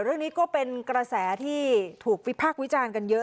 เรื่องนี้เป็นกระแสที่ถูกวิจารณ์เยอะ